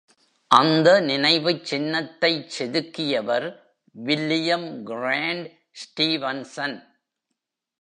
அந்த நினைவுச் சின்னத்தை செதுக்கியவர், வில்லியம் கிரான்ட் ஸ்டீவன்சன்.